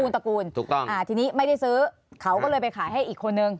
ตระกูลถูกต้องอ่าทีนี้ไม่ได้ซื้อเขาก็เลยไปขายให้อีกคนนึง